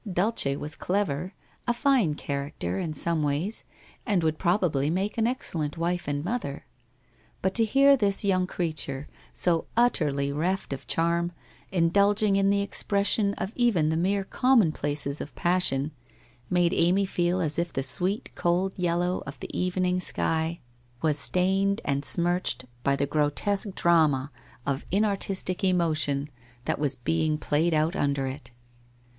Dulce was clever, a fine character, in some ways, and would proba bly make an excellent wife and mother. But to hear this young creature, so utterly reft of charm, indulging in the expression of even the mere commonplaces of passion, made Amy feel as if the sweet cold yellow of the evening sky 88 WHITE ROSE OF WEARY LEAF tras stained and smirched by the grotesque drama of inartistic emotion that was being played out under it.